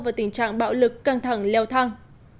và tình trạng bạo lực căng thẳng leo thăng